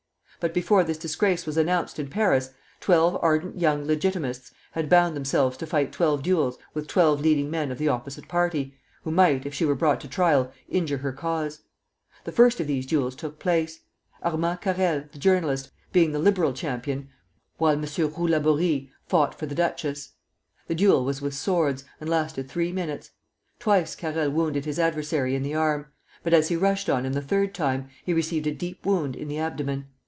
But before this disgrace was announced in Paris, twelve ardent young Legitimists had bound themselves to fight twelve duels with twelve leading men of the opposite party, who might, if she were brought to trial, injure her cause. The first of these duels took place; Armand Carrel, the journalist, being the liberal champion, while M. Roux Laborie fought for the duchess. The duel was with swords, and lasted three minutes. Twice Carrel wounded his adversary in the arm; but as he rushed on him the third time, he received a deep wound in the abdomen.